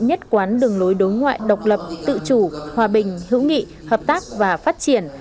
nhất quán đường lối đối ngoại độc lập tự chủ hòa bình hữu nghị hợp tác và phát triển